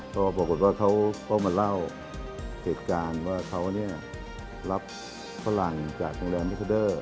เขาก็มาเล่าเหตุการณ์ว่าเขารับฝรั่งจากโรงแรมเมคาเดอร์